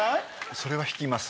それは引きます。